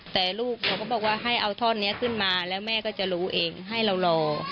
แต่ลูกเขาก็บอกว่าให้เอาท่อนนี้ขึ้นมาแล้วแม่ก็จะรู้เองให้เรารอ